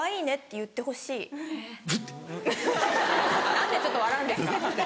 何でちょっと笑うんですか。